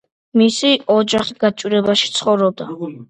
მისი ოჯახი გაჭირვებაში ცხოვრობდა.